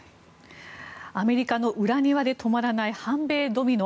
アメリカの裏庭で止まらない反米ドミノ。